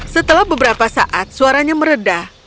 setelah beberapa saat suaranya meredah